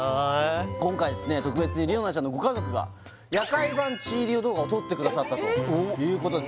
今回特別にりおなちゃんのご家族が夜会版ちいりお動画を撮ってくださったということです